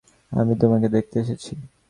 আমি তোমাকে দেখতে এসেছি।